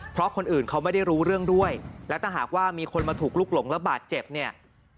เพราะคนอื่นเขาไม่ได้รู้เรื่องด้วยและถ้าหากว่ามีคนมาถูกลุกหลงแล้วบาดเจ็บเนี่ย